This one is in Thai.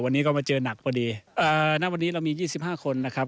วันนี้ก็มาเจอหนักพอดีเอ่อณวันนี้เรามี๒๕คนนะครับ